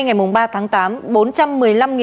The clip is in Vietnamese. ngày ba tháng tám